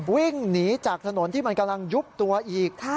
วิ่งหนีจากถนนที่มันกำลังยุบตัวอีก